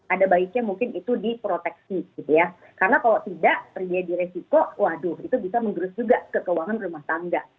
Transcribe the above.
ada baiknya mungkin itu diproteksi gitu ya karena kalau tidak terjadi resiko waduh itu bisa menggerus juga ke keuangan rumah tangga